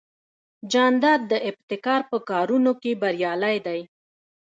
جانداد د ابتکار په کارونو کې بریالی دی.